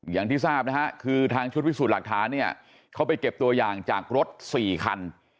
อย่างที่ทราบนะฮะคือทางชุดพิสูจน์หลักฐานเนี่ยเขาไปเก็บตัวอย่างจากรถ๔คัน